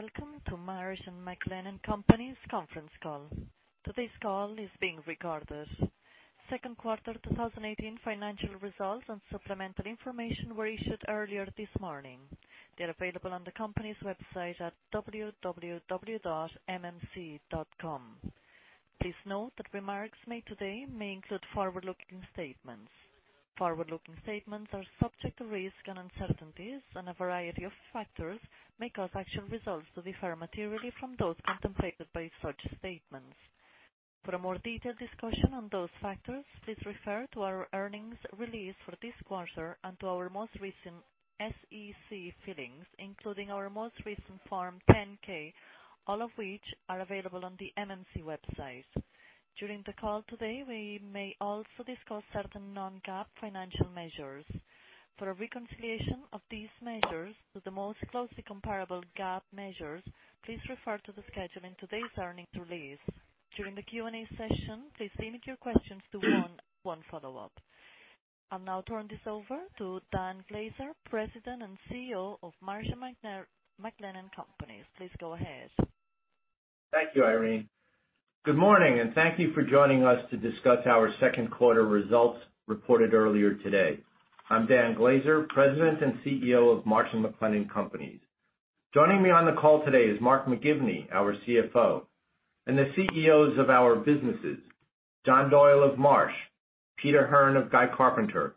Welcome to Marsh & McLennan Companies conference call. Today's call is being recorded. Second quarter 2018 financial results and supplemental information were issued earlier this morning. They are available on the company's website at www.mmc.com. Please note that remarks made today may include forward-looking statements. Forward-looking statements are subject to risks and uncertainties, and a variety of factors may cause actual results to differ materially from those contemplated by such statements. For a more detailed discussion on those factors, please refer to our earnings release for this quarter and to our most recent SEC filings, including our most recent Form 10-K, all of which are available on the MMC website. During the call today, we may also discuss certain non-GAAP financial measures. For a reconciliation of these measures to the most closely comparable GAAP measures, please refer to the schedule in today's earnings release. During the Q&A session, please limit your questions to one follow-up. I will now turn this over to Dan Glaser, President and CEO of Marsh & McLennan Companies. Please go ahead. Thank you, Irene. Good morning, and thank you for joining us to discuss our second quarter results reported earlier today. I am Dan Glaser, President and CEO of Marsh & McLennan Companies. Joining me on the call today is Mark McGivney, our CFO, and the CEOs of our businesses, John Doyle of Marsh, Peter Hearn of Guy Carpenter,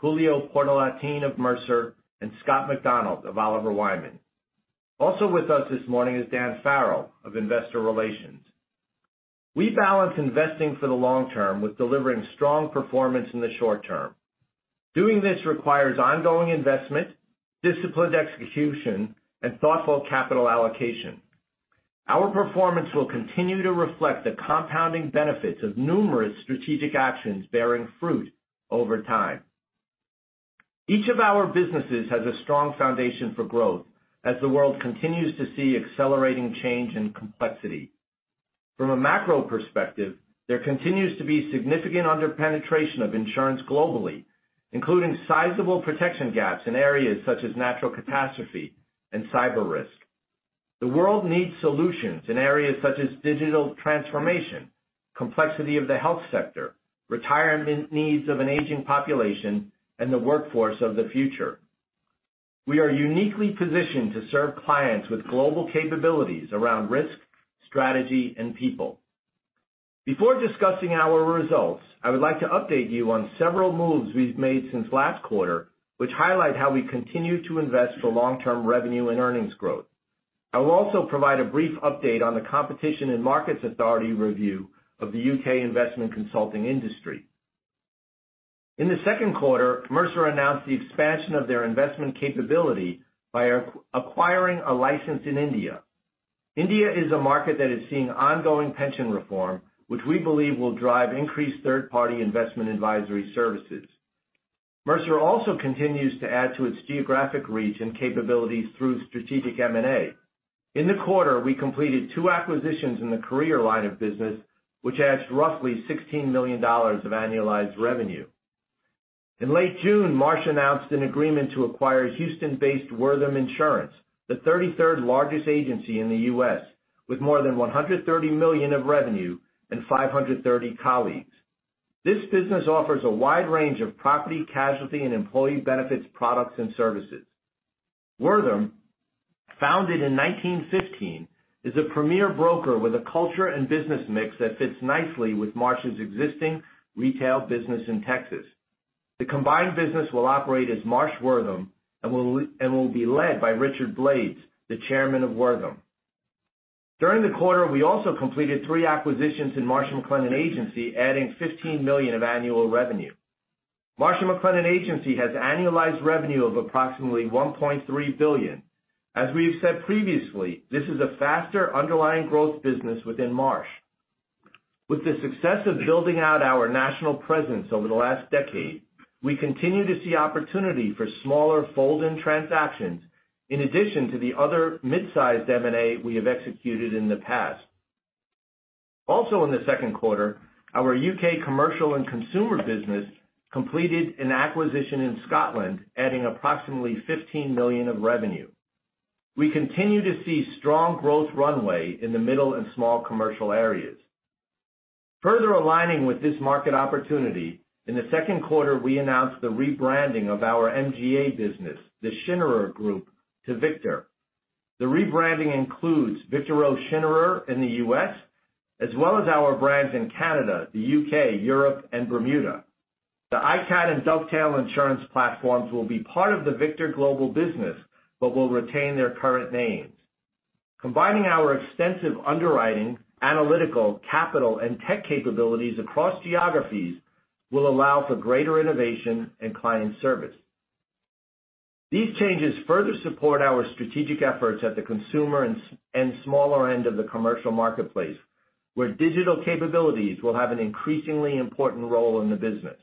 Julio Portalatin of Mercer, and Scott McDonald of Oliver Wyman. Also with us this morning is Dan Farrell of Investor Relations. We balance investing for the long term with delivering strong performance in the short term. Doing this requires ongoing investment, disciplined execution, and thoughtful capital allocation. Our performance will continue to reflect the compounding benefits of numerous strategic actions bearing fruit over time. Each of our businesses has a strong foundation for growth as the world continues to see accelerating change and complexity. From a macro perspective, there continues to be significant under-penetration of insurance globally, including sizable protection gaps in areas such as natural catastrophe and cyber risk. The world needs solutions in areas such as digital transformation, complexity of the health sector, retirement needs of an aging population, and the workforce of the future. We are uniquely positioned to serve clients with global capabilities around risk, strategy, and people. Before discussing our results, I would like to update you on several moves we have made since last quarter, which highlight how we continue to invest for long-term revenue and earnings growth. I will also provide a brief update on the Competition and Markets Authority review of the U.K. investment consulting industry. In the second quarter, Mercer announced the expansion of their investment capability by acquiring a license in India. India is a market that is seeing ongoing pension reform, which we believe will drive increased third-party investment advisory services. Mercer also continues to add to its geographic reach and capabilities through strategic M&A. In the quarter, we completed two acquisitions in the career line of business, which adds roughly $16 million of annualized revenue. In late June, Marsh announced an agreement to acquire Houston-based Wortham Insurance, the 33rd largest agency in the U.S., with more than $130 million of revenue and 530 colleagues. This business offers a wide range of property, casualty, and employee benefits, products, and services. Wortham, founded in 1915, is a premier broker with a culture and business mix that fits nicely with Marsh's existing retail business in Texas. The combined business will operate as Marsh Wortham and will be led by Richard Blades, the chairman of Wortham. During the quarter, we also completed three acquisitions in Marsh McLennan Agency, adding $15 million of annual revenue. Marsh McLennan Agency has annualized revenue of approximately $1.3 billion. As we have said previously, this is a faster underlying growth business within Marsh. With the success of building out our national presence over the last decade, we continue to see opportunity for smaller fold-in transactions in addition to the other midsize M&A we have executed in the past. In the second quarter, our U.K. commercial and consumer business completed an acquisition in Scotland, adding approximately $15 million of revenue. We continue to see strong growth runway in the middle and small commercial areas. Further aligning with this market opportunity, in the second quarter, we announced the rebranding of our MGA business, The Schinnerer Group, to Victor. The rebranding includes Victor O. Schinnerer in the U.S. as well as our brands in Canada, the U.K., Europe, and Bermuda. The ICAT and Dovetail Insurance platforms will be part of the Victor Global business but will retain their current names. Combining our extensive underwriting, analytical, capital, and tech capabilities across geographies will allow for greater innovation and client service. These changes further support our strategic efforts at the consumer and smaller end of the commercial marketplace, where digital capabilities will have an increasingly important role in the business.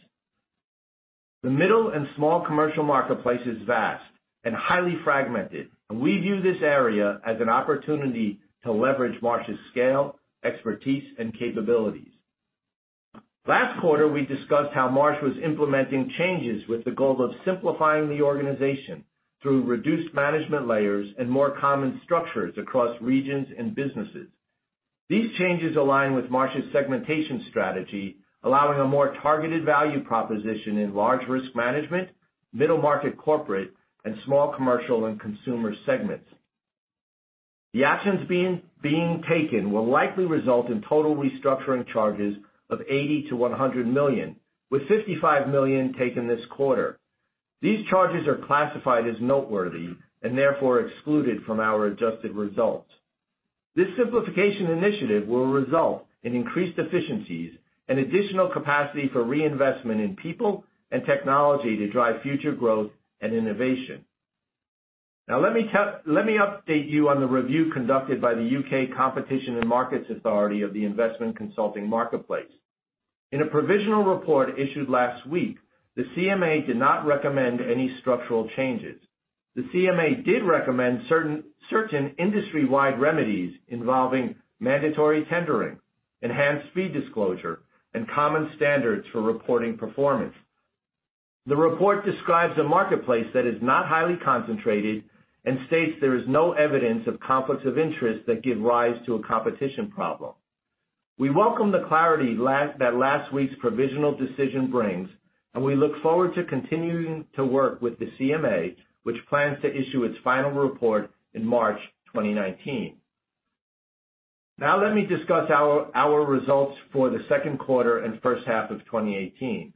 The middle and small commercial marketplace is vast and highly fragmented. We view this area as an opportunity to leverage Marsh's scale, expertise, and capabilities. Last quarter, we discussed how Marsh was implementing changes with the goal of simplifying the organization through reduced management layers and more common structures across regions and businesses. These changes align with Marsh's segmentation strategy, allowing a more targeted value proposition in large risk management, middle-market corporate, and small commercial and consumer segments. The actions being taken will likely result in total restructuring charges of $80 million-$100 million, with $55 million taken this quarter. These charges are classified as noteworthy and therefore excluded from our adjusted results. This simplification initiative will result in increased efficiencies and additional capacity for reinvestment in people and technology to drive future growth and innovation. Now let me update you on the review conducted by the U.K. Competition and Markets Authority of the investment consulting marketplace. In a provisional report issued last week, the CMA did not recommend any structural changes. The CMA did recommend certain industry-wide remedies involving mandatory tendering, enhanced fee disclosure, and common standards for reporting performance. The report describes a marketplace that is not highly concentrated and states there is no evidence of conflicts of interest that give rise to a competition problem. We welcome the clarity that last week's provisional decision brings, and we look forward to continuing to work with the CMA, which plans to issue its final report in March 2019. Let me discuss our results for the second quarter and first half of 2018.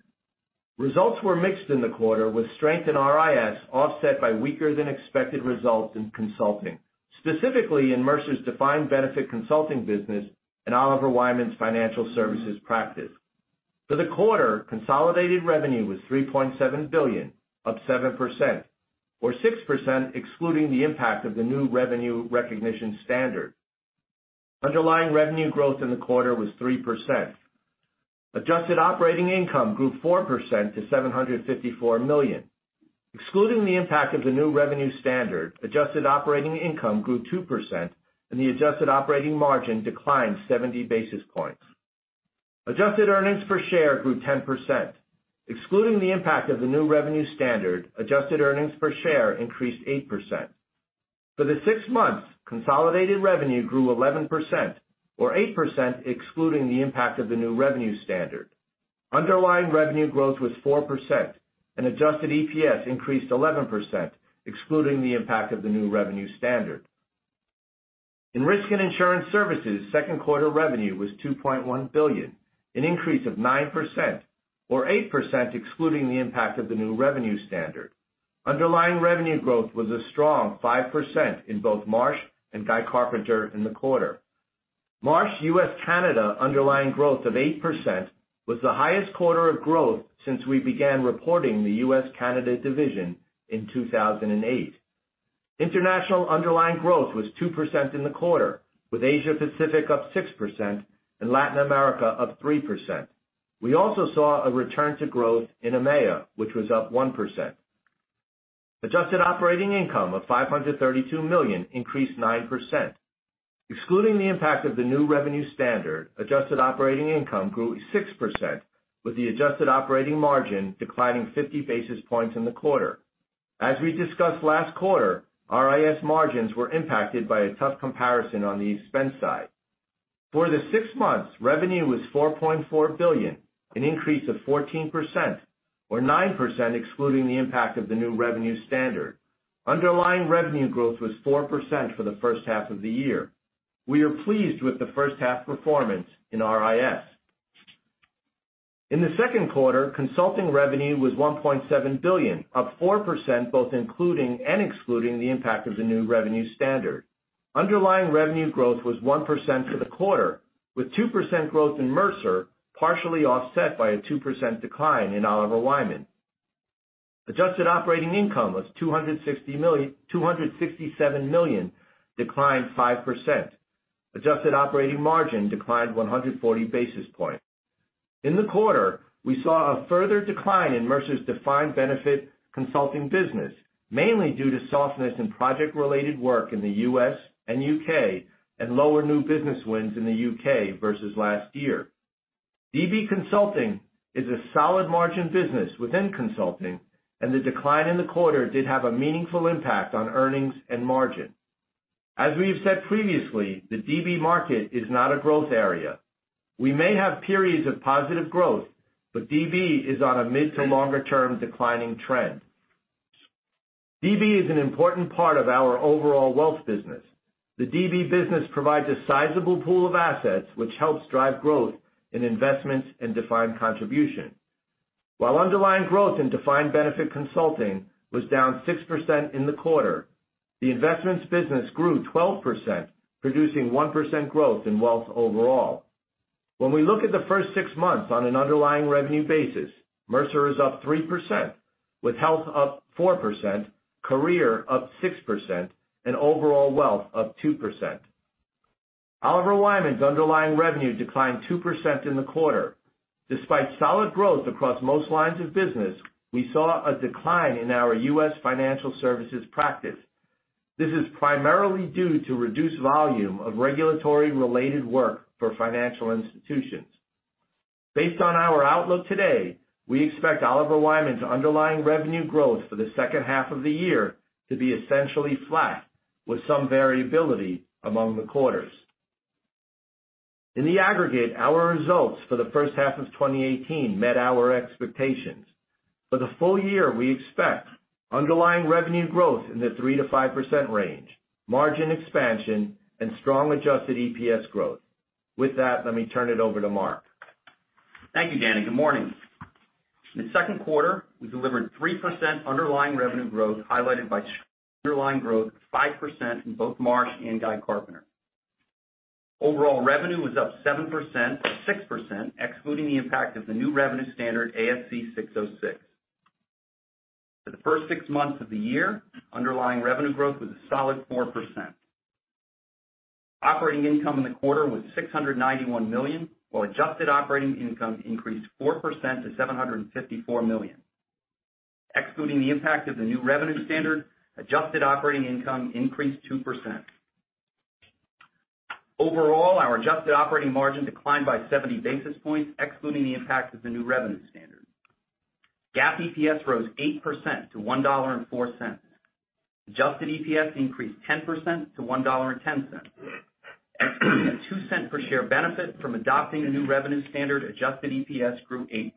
Results were mixed in the quarter with strength in RIS offset by weaker than expected results in consulting, specifically in Mercer's defined benefit consulting business and Oliver Wyman's financial services practice. For the quarter, consolidated revenue was $3.7 billion, up 7%, or 6% excluding the impact of the new revenue recognition standard. Underlying revenue growth in the quarter was 3%. Adjusted operating income grew 4% to $754 million. Excluding the impact of the new revenue standard, adjusted operating income grew 2% and the adjusted operating margin declined 70 basis points. Adjusted earnings per share grew 10%. Excluding the impact of the new revenue standard, adjusted earnings per share increased 8%. For the six months, consolidated revenue grew 11%, or 8% excluding the impact of the new revenue standard. Underlying revenue growth was 4%, adjusted EPS increased 11%, excluding the impact of the new revenue standard. In risk and insurance services, second quarter revenue was $2.1 billion, an increase of 9%, or 8% excluding the impact of the new revenue standard. Underlying revenue growth was a strong 5% in both Marsh & Guy Carpenter in the quarter. Marsh U.S. Canada underlying growth of 8% was the highest quarter of growth since we began reporting the U.S. Canada division in 2008. International underlying growth was 2% in the quarter, with Asia Pacific up 6% and Latin America up 3%. We also saw a return to growth in EMEA, which was up 1%. Adjusted operating income of $532 million increased 9%. Excluding the impact of the new revenue standard, adjusted operating income grew 6%, with the adjusted operating margin declining 50 basis points in the quarter. As we discussed last quarter, RIS margins were impacted by a tough comparison on the expense side. For the six months, revenue was $4.4 billion, an increase of 14%, or 9% excluding the impact of the new revenue standard. Underlying revenue growth was 4% for the first half of the year. We are pleased with the first half performance in RIS. In the second quarter, consulting revenue was $1.7 billion, up 4% both including and excluding the impact of the new revenue standard. Underlying revenue growth was 1% for the quarter, with 2% growth in Mercer, partially offset by a 2% decline in Oliver Wyman. Adjusted operating income was $267 million, declined 5%. Adjusted operating margin declined 140 basis points. In the quarter, we saw a further decline in Mercer's defined benefit consulting business, mainly due to softness in project-related work in the U.S. and U.K. and lower new business wins in the U.K. versus last year. DB Consulting is a solid margin business within consulting, the decline in the quarter did have a meaningful impact on earnings and margin. As we have said previously, the DB market is not a growth area. We may have periods of positive growth, but DB is on a mid to longer term declining trend. DB is an important part of our overall wealth business. The DB business provides a sizable pool of assets, which helps drive growth in investments and defined contribution. While underlying growth in defined benefit consulting was down 6% in the quarter, the investments business grew 12%, producing 1% growth in wealth overall. When we look at the first six months on an underlying revenue basis, Mercer is up 3%, with health up 4%, career up 6%, and overall wealth up 2%. Oliver Wyman's underlying revenue declined 2% in the quarter. Despite solid growth across most lines of business, we saw a decline in our U.S. financial services practice. This is primarily due to reduced volume of regulatory-related work for financial institutions. Based on our outlook today, we expect Oliver Wyman's underlying revenue growth for the second half of the year to be essentially flat, with some variability among the quarters. In the aggregate, our results for the first half of 2018 met our expectations. For the full year, we expect underlying revenue growth in the 3%-5% range, margin expansion, and strong adjusted EPS growth. With that, let me turn it over to Mark. Thank you, Danny. Good morning. In the second quarter, we delivered 3% underlying revenue growth, highlighted by underlying growth of 5% in both Marsh & Guy Carpenter. Overall revenue was up 7%, 6% excluding the impact of the new revenue standard, ASC 606. For the first six months of the year, underlying revenue growth was a solid 4%. Operating income in the quarter was $691 million, while adjusted operating income increased 4% to $754 million. Excluding the impact of the new revenue standard, adjusted operating income increased 2%. Overall, our adjusted operating margin declined by 70 basis points, excluding the impact of the new revenue standard. GAAP EPS rose 8% to $1.04. Adjusted EPS increased 10% to $1.10. Excluding a $0.02 per share benefit from adopting the new revenue standard, adjusted EPS grew 8%.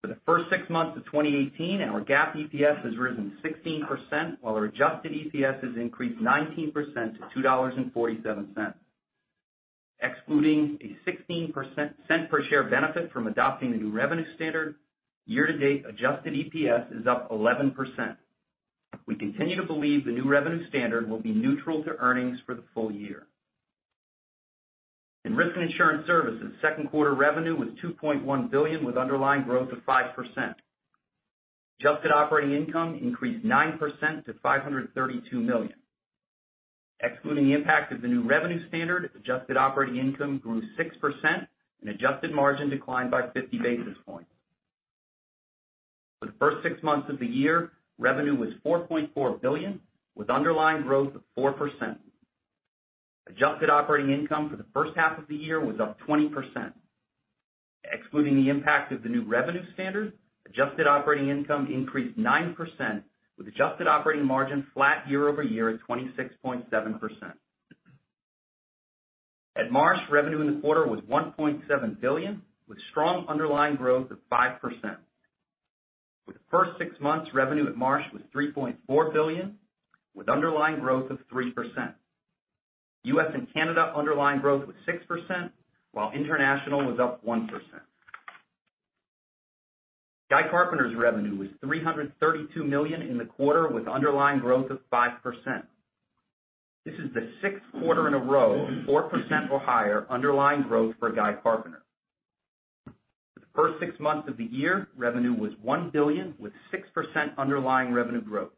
For the first six months of 2018, our GAAP EPS has risen 16%, while our adjusted EPS has increased 19% to $2.47. Excluding a $0.16 per share benefit from adopting the new revenue standard, year-to-date adjusted EPS is up 11%. We continue to believe the new revenue standard will be neutral to earnings for the full year. In Risk & Insurance Services, second quarter revenue was $2.1 billion with underlying growth of 5%. Adjusted operating income increased 9% to $532 million. Excluding the impact of the new revenue standard, adjusted operating income grew 6%, and adjusted margin declined by 50 basis points. For the first six months of the year, revenue was $4.4 billion, with underlying growth of 4%. Adjusted operating income for the first half of the year was up 20%. Excluding the impact of the new revenue standard, adjusted operating income increased 9%, with adjusted operating margin flat year-over-year at 26.7%. At Marsh, revenue in the quarter was $1.7 billion, with strong underlying growth of 5%. For the first six months, revenue at Marsh was $3.4 billion, with underlying growth of 3%. U.S. and Canada underlying growth was 6%, while international was up 1%. Guy Carpenter's revenue was $332 million in the quarter, with underlying growth of 5%. This is the sixth quarter in a row of 4% or higher underlying growth for Guy Carpenter. For the first six months of the year, revenue was $1 billion with 6% underlying revenue growth.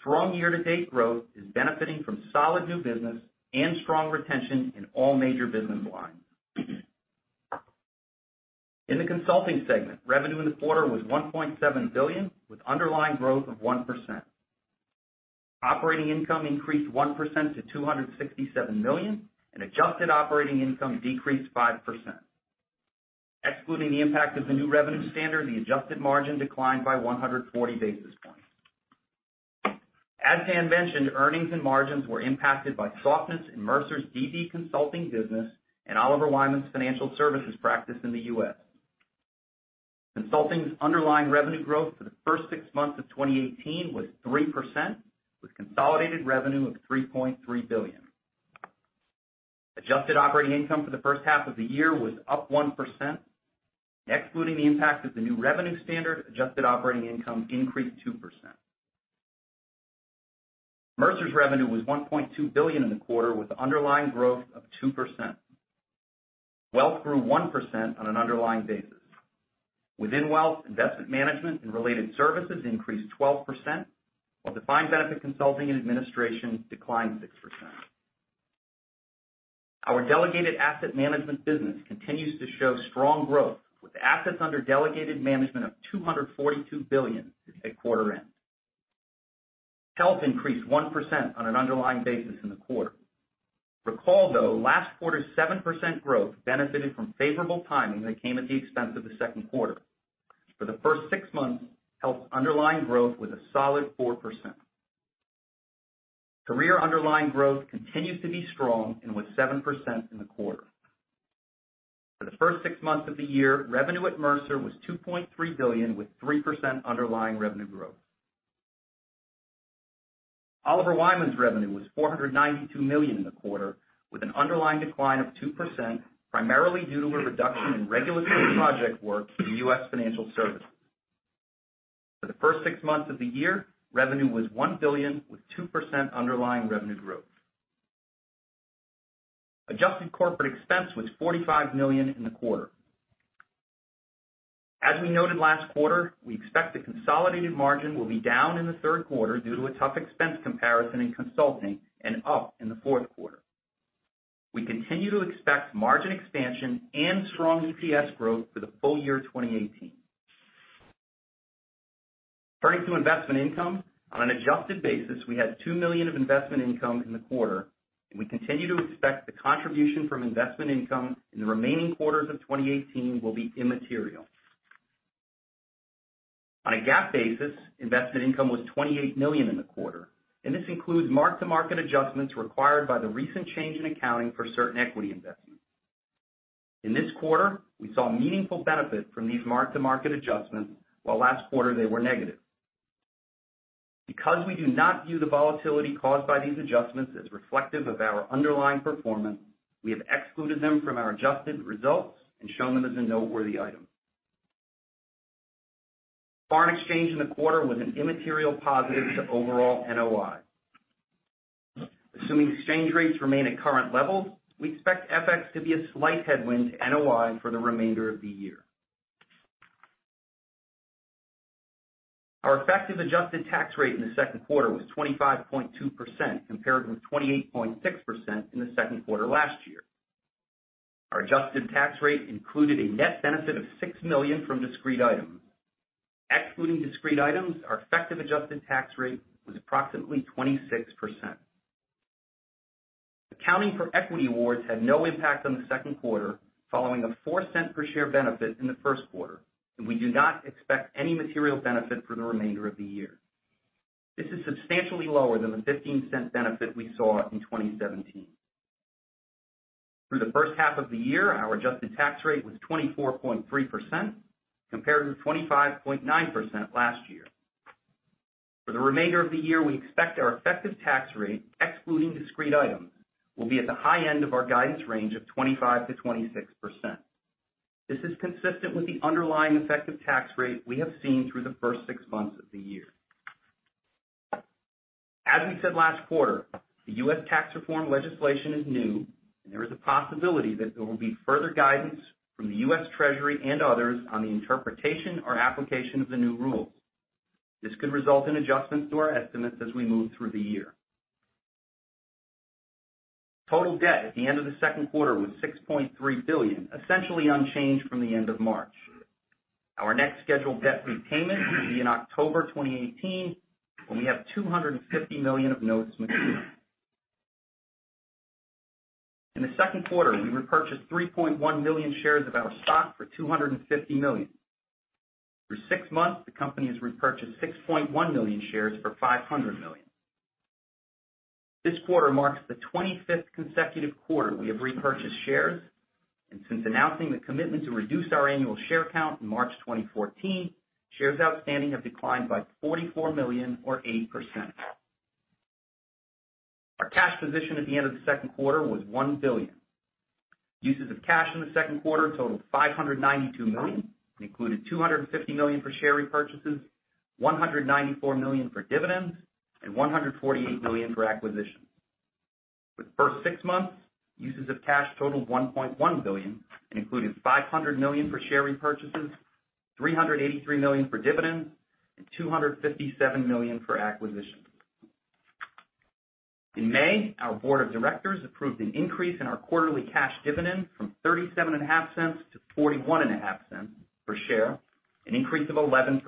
Strong year-to-date growth is benefiting from solid new business and strong retention in all major business lines. In the Consulting segment, revenue in the quarter was $1.7 billion, with underlying growth of 1%. Operating income increased 1% to $267 million, adjusted operating income decreased 5%. Excluding the impact of the new revenue standard, the adjusted margin declined by 140 basis points. As Dan mentioned, earnings and margins were impacted by softness in Mercer's DB Consulting business and Oliver Wyman's financial services practice in the U.S. Consulting's underlying revenue growth for the first six months of 2018 was 3%, with consolidated revenue of $3.3 billion. Adjusted operating income for the first half of the year was up 1%, excluding the impact of the new revenue standard, adjusted operating income increased 2%. Mercer's revenue was $1.2 billion in the quarter, with underlying growth of 2%. Wealth grew 1% on an underlying basis. Within Wealth, investment management and related services increased 12%, while Defined Benefit Consulting and administration declined 6%. Our delegated asset management business continues to show strong growth, with assets under delegated management of $242 billion at quarter end. Health increased 1% on an underlying basis in the quarter. Recall, though, last quarter's 7% growth benefited from favorable timing that came at the expense of the second quarter. For the first six months, Health's underlying growth was a solid 4%. Career underlying growth continues to be strong and was 7% in the quarter. For the first six months of the year, revenue at Mercer was $2.3 billion, with 3% underlying revenue growth. Oliver Wyman's revenue was $492 million in the quarter with an underlying decline of 2%, primarily due to a reduction in regulatory project work in U.S. financial services. For the first six months of the year, revenue was $1 billion, with 2% underlying revenue growth. Adjusted corporate expense was $45 million in the quarter. As we noted last quarter, we expect the consolidated margin will be down in the third quarter due to a tough expense comparison in Consulting and up in the fourth quarter. We continue to expect margin expansion and strong EPS growth for the full year 2018. Turning to investment income, on an adjusted basis, we had $2 million of investment income in the quarter, we continue to expect the contribution from investment income in the remaining quarters of 2018 will be immaterial. On a GAAP basis, investment income was $28 million in the quarter, this includes mark-to-market adjustments required by the recent change in accounting for certain equity investments. In this quarter, we saw meaningful benefit from these mark-to-market adjustments, while last quarter they were negative. Because we do not view the volatility caused by these adjustments as reflective of our underlying performance, we have excluded them from our adjusted results and shown them as a noteworthy item. Foreign exchange in the quarter was an immaterial positive to overall NOI. Assuming exchange rates remain at current levels, we expect FX to be a slight headwind to NOI for the remainder of the year. Our effective adjusted tax rate in the second quarter was 25.2% compared with 28.6% in the second quarter last year. Our adjusted tax rate included a net benefit of $6 million from discrete items. Excluding discrete items, our effective adjusted tax rate was approximately 26%. Accounting for equity awards had no impact on the second quarter, following a $0.04 per share benefit in the first quarter, and we do not expect any material benefit for the remainder of the year. This is substantially lower than the $0.15 benefit we saw in 2017. Through the first half of the year, our adjusted tax rate was 24.3% compared to 25.9% last year. For the remainder of the year, we expect our effective tax rate, excluding discrete items, will be at the high end of our guidance range of 25%-26%. This is consistent with the underlying effective tax rate we have seen through the first six months of the year. As we said last quarter, the U.S. tax reform legislation is new, and there is a possibility that there will be further guidance from the U.S. Treasury and others on the interpretation or application of the new rules. This could result in adjustments to our estimates as we move through the year. Total debt at the end of the second quarter was $6.3 billion, essentially unchanged from the end of March. Our next scheduled debt repayment will be in October 2018, when we have $250 million of notes maturing. In the second quarter, we repurchased 3.1 million shares of our stock for $250 million. Through six months, the company has repurchased 6.1 million shares for $500 million. This quarter marks the 25th consecutive quarter we have repurchased shares, and since announcing the commitment to reduce our annual share count in March 2014, shares outstanding have declined by 44 million or 8%. Our cash position at the end of the second quarter was $1 billion. Uses of cash in the second quarter totaled $592 million and included $250 million for share repurchases, $194 million for dividends and $148 million for acquisitions. For the first six months, uses of cash totaled $1.1 billion and included $500 million for share repurchases, $383 million for dividends, and $257 million for acquisitions. In May, our board of directors approved an increase in our quarterly cash dividend from $0.375 to $0.415 per share, an increase of 11%.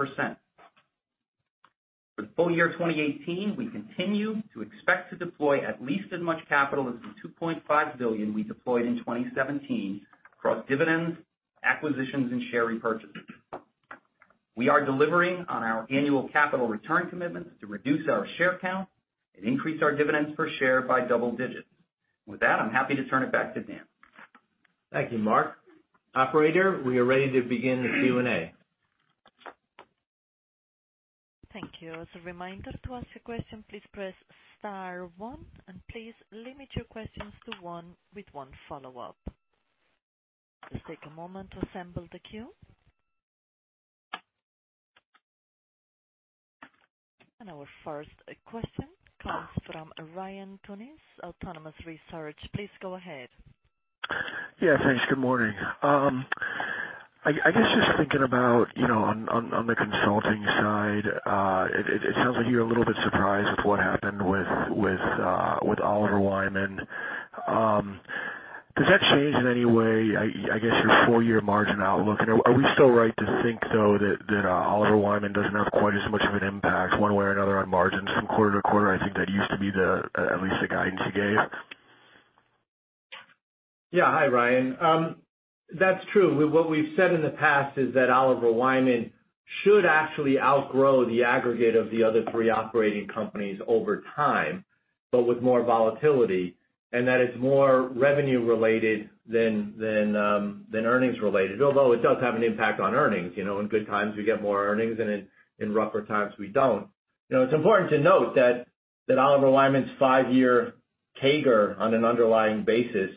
For the full year 2018, we continue to expect to deploy at least as much capital as the $2.5 billion we deployed in 2017 across dividends, acquisitions, and share repurchases. We are delivering on our annual capital return commitments to reduce our share count and increase our dividends per share by double digits. With that, I'm happy to turn it back to Dan. Thank you, Mark. Operator, we are ready to begin the Q&A. Thank you. As a reminder, to ask a question, please press star one, and please limit your questions to one with one follow-up. Let's take a moment to assemble the queue. Our first question comes from Ryan Tunis, Autonomous Research. Please go ahead. Yeah, thanks. Good morning. I guess just thinking about on the consulting side, it sounds like you're a little bit surprised with what happened with Oliver Wyman. Does that change in any way, I guess, your full-year margin outlook? Are we still right to think, though, that Oliver Wyman doesn't have quite as much of an impact one way or another on margins from quarter-to-quarter? I think that used to be at least the guidance you gave. Yeah. Hi, Ryan. That's true. What we've said in the past is that Oliver Wyman should actually outgrow the aggregate of the other three operating companies over time, but with more volatility, and that it's more revenue related than earnings related, although it does have an impact on earnings. In good times, we get more earnings, and in rougher times, we don't. It's important to note that Oliver Wyman's five-year CAGR on an underlying basis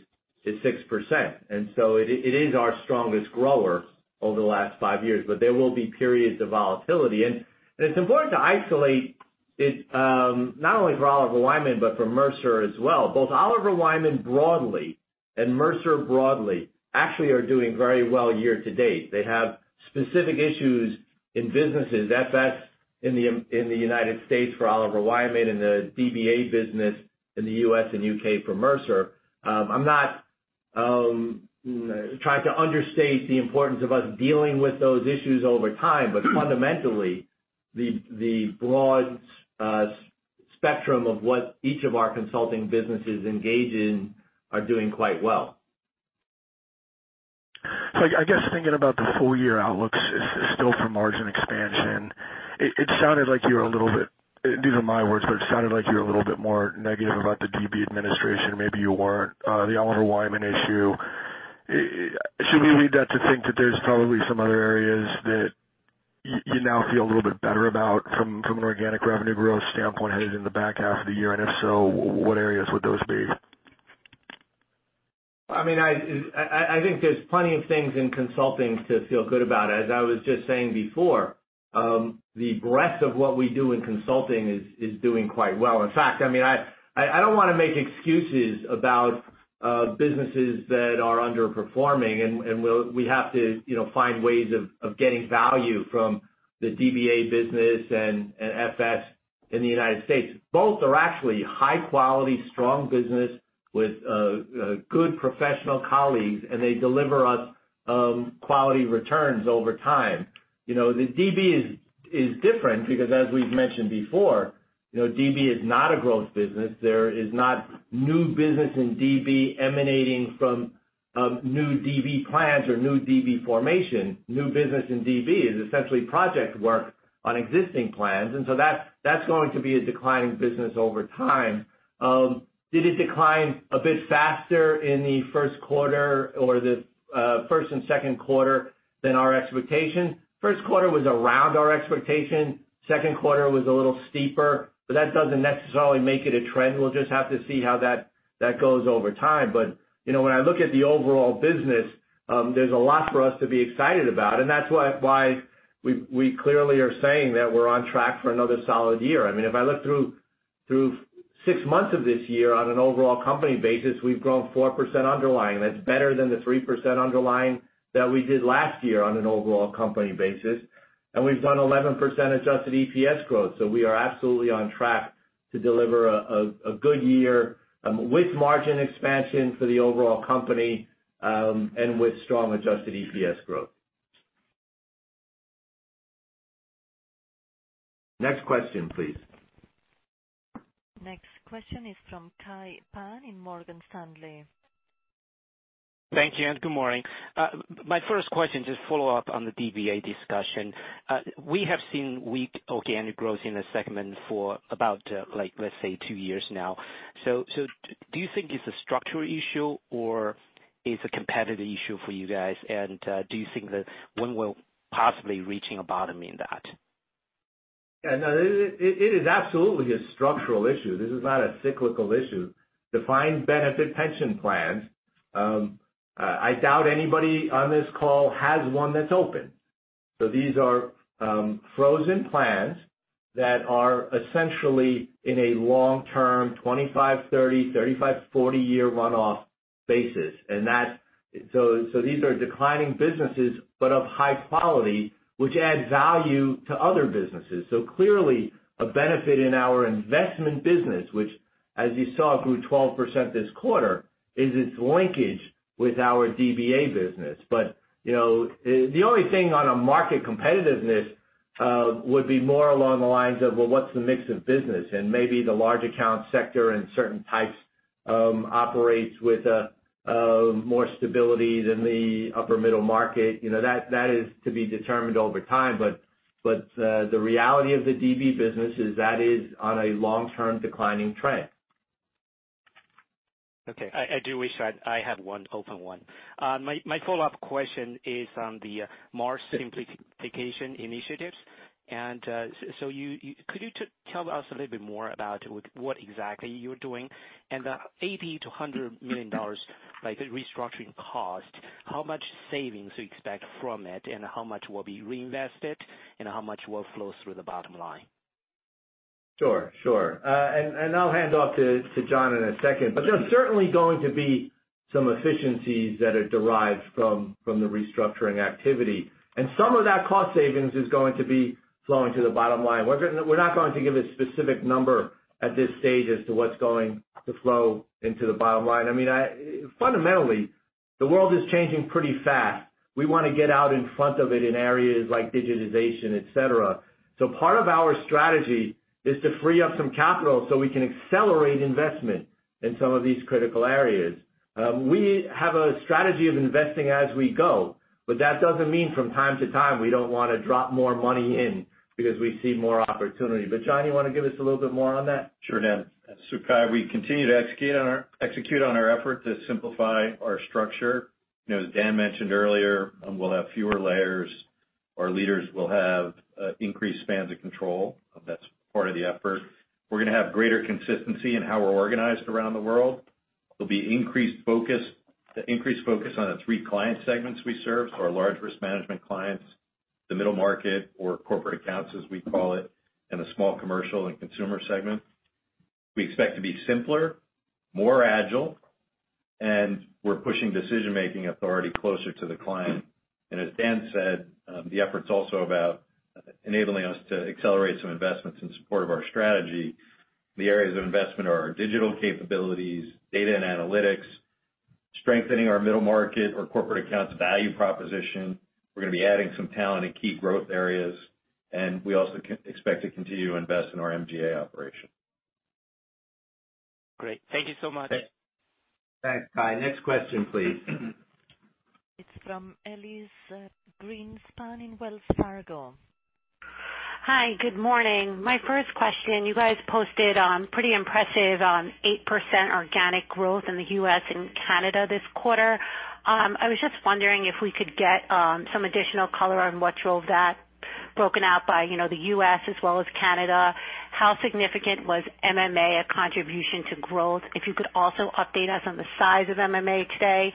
is 6%. So it is our strongest grower over the last five years, but there will be periods of volatility. It's important to isolate it, not only for Oliver Wyman, but for Mercer as well. Both Oliver Wyman broadly and Mercer broadly actually are doing very well year-to-date. They have specific issues in businesses. In the U.S. for Oliver Wyman in the DB business in the U.S. and U.K. for Mercer. I'm not trying to understate the importance of us dealing with those issues over time, fundamentally, the broad spectrum of what each of our consulting businesses engage in are doing quite well. I guess thinking about the full year outlooks still for margin expansion, it sounded like you were a little bit more negative about the DB administration, maybe you weren't. The Oliver Wyman issue. Should we read that to think that there's probably some other areas that you now feel a little bit better about from an organic revenue growth standpoint headed in the back half of the year? If so, what areas would those be? I think there's plenty of things in consulting to feel good about. As I was just saying before, the breadth of what we do in consulting is doing quite well. In fact, I don't want to make excuses about businesses that are underperforming, and we have to find ways of getting value from the DB business and FS in the U.S. Both are actually high quality, strong business with good professional colleagues, and they deliver us quality returns over time. The DB is different because, as we've mentioned before, DB is not a growth business. There is not new business in DB emanating from new DB plans or new DB formation. New business in DB is essentially project work on existing plans, that's going to be a declining business over time. Did it decline a bit faster in the first quarter or the first and second quarter than our expectation? First quarter was around our expectation. Second quarter was a little steeper, that doesn't necessarily make it a trend. We'll just have to see how that goes over time. When I look at the overall business, there's a lot for us to be excited about, and that's why we clearly are saying that we're on track for another solid year. If I look through six months of this year on an overall company basis, we've grown 4% underlying. That's better than the 3% underlying that we did last year on an overall company basis. We've done 11% adjusted EPS growth. We are absolutely on track to deliver a good year with margin expansion for the overall company, and with strong adjusted EPS growth. Next question, please. Next question is from Kai Pan in Morgan Stanley. Thank you, and good morning. My first question, just follow up on the DB discussion. We have seen weak organic growth in the segment for about, let's say, two years now. Do you think it's a structural issue or it's a competitive issue for you guys? Do you think that we're possibly reaching a bottom in that? Yeah, no, it is absolutely a structural issue. This is not a cyclical issue. Defined Benefit pension plans, I doubt anybody on this call has one that's open. These are frozen plans that are essentially in a long-term, 25, 30, 35, 40-year runoff basis. These are declining businesses, but of high quality, which adds value to other businesses. Clearly, a benefit in our investment business, which, as you saw, grew 12% this quarter, is its linkage with our DB business. The only thing on a market competitiveness would be more along the lines of, well, what's the mix of business? Maybe the large account sector and certain types operates with more stability than the upper middle market. That is to be determined over time. The reality of the DB business is that is on a long-term declining trend. Okay. I do wish I had one open one. My follow-up question is on the Marsh simplification initiatives. Could you tell us a little bit more about what exactly you're doing? The $80 million-$100 million restructuring cost, how much savings you expect from it, and how much will be reinvested, and how much will flow through the bottom line? Sure. I'll hand off to John Doyle in a second. There's certainly going to be some efficiencies that are derived from the restructuring activity. Some of that cost savings is going to be flowing to the bottom line. We're not going to give a specific number at this stage as to what's going to flow into the bottom line. Fundamentally, the world is changing pretty fast. We want to get out in front of it in areas like digitization, et cetera. Part of our strategy is to free up some capital so we can accelerate investment in some of these critical areas. We have a strategy of investing as we go, but that doesn't mean from time to time, we don't want to drop more money in because we see more opportunity. John Doyle, you want to give us a little bit more on that? Sure, Dan Glaser. Kai Pan, we continue to execute on our effort to simplify our structure. As Dan Glaser mentioned earlier, we'll have fewer layers. Our leaders will have increased spans of control. That's part of the effort. We're going to have greater consistency in how we're organized around the world. There'll be increased focus on the three client segments we serve, our large risk management clients, the middle market or corporate accounts, as we call it, and the small commercial and consumer segment. We expect to be simpler, more agile, and we're pushing decision-making authority closer to the client. As Dan Glaser said, the effort's also about enabling us to accelerate some investments in support of our strategy. The areas of investment are our digital capabilities, data and analytics, strengthening our middle market or corporate accounts value proposition. We're going to be adding some talent in key growth areas, and we also expect to continue to invest in our MGA operation. Great. Thank you so much. Thanks, Kai. Next question, please. It's from Elyse Greenspan in Wells Fargo. Hi. Good morning. My first question, you guys posted pretty impressive 8% organic growth in the U.S. and Canada this quarter. I was just wondering if we could get some additional color on what drove that broken out by the U.S. as well as Canada. How significant was MMA a contribution to growth? If you could also update us on the size of MMA today,